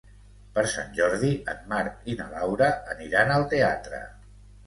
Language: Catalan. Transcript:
Per Sant Jordi en Marc i na Laura aniran al teatre.